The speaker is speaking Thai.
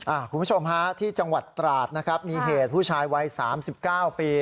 คุณผู้ชมฮะที่จังหวัดตราดนะครับมีเหตุผู้ชายวัยสามสิบเก้าปี